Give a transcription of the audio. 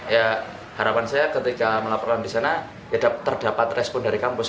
ya harapan saya ketika melaporkan di sana ya terdapat respon dari kampus